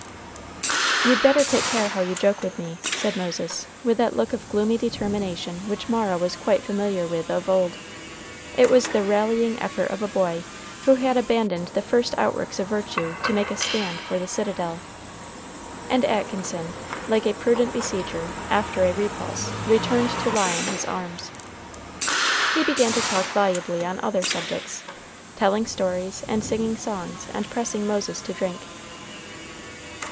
"You'd better take care how you joke with me," said Moses, with that look of gloomy determination which Mara was quite familiar with of old. It was the rallying effort of a boy who had abandoned the first outworks of virtue to make a stand for the citadel. And Atkinson, like a prudent besieger after a repulse, returned to lie on his arms. He began talking volubly on other subjects, telling stories, and singing songs, and pressing Moses to drink.